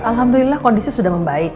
alhamdulillah kondisinya sudah membaik